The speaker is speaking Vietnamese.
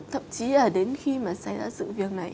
thậm chí là đến khi mà xảy ra sự việc này